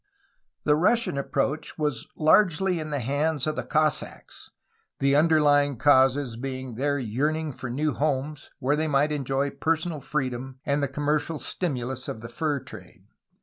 The Russian approach was largely in the hands of Cossacks, the underlying causes being their yearning for new homes where they might enjoy personal freedom and the commercial stimulus of the fur trade.